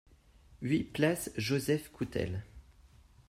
huit place Joseph Coutel